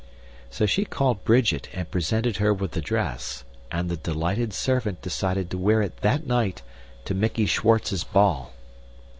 So she called Bridget and presented her with the dress, and the delighted servant decided to wear it that night to Mickey Schwartz's ball.